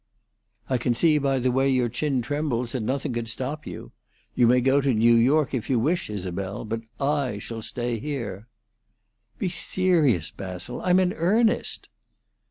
"I can see by the way your chin trembles that nothing could stop you. You may go to New York if you wish, Isabel, but I shall stay here." "Be serious, Basil. I'm in earnest."